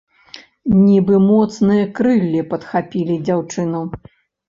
Нібы моцныя крыллі падхапілі дзяўчыну.